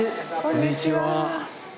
こんにちは。